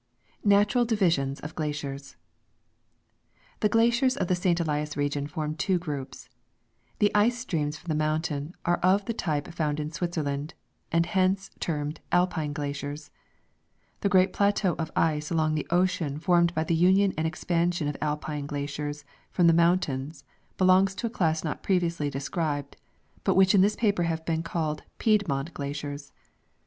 Natural Divisions of Glaciers. The glaciers of the St. Ehas region form two groups. The ice streams from the mountain are of the type found in Switzer land, and hence termed Alpine glaciers. The great plateau of ice along the ocean formed by the union and expansion of Alpine glaciers from the mountains belongs to a class not previously described, but which in this pa.per have been called Piedmont glaciers.